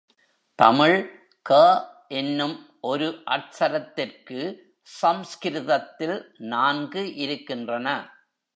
தமிழ் க என்னும் ஒரு அட்சரத்திற்கு சம்ஸ்கிருதத்தில் நான்கு இருக்கின்றன.